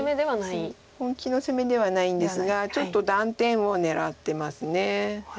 本気の攻めではないんですがちょっと断点を狙ってます。